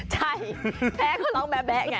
ใช่แพะก็ร้องแบ๊ะแบ๊ะไง